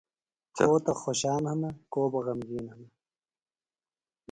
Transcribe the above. کو تہ خوشان ہِنہ کو بہ غمگِین ہِنہ۔